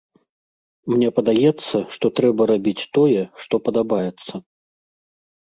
Мне падаецца, што трэба рабіць тое, што падабаецца.